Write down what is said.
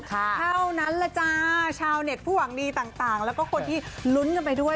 เท่านั้นแหละจ้าชาวเน็ตผู้หวังดีต่างแล้วก็คนที่ลุ้นกันไปด้วย